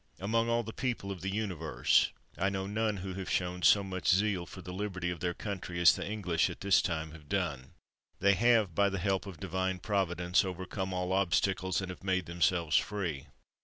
Among all the people of the universe, I know none who have shown so much zeal for the lib erty of their country as the English at this time have done; — they have, by the help of Divine Providence, overcome all obstacles, and have made themselves free.